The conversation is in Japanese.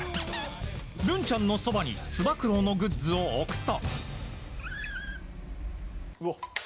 るんちゃんのそばにつば九郎のグッズを置くと。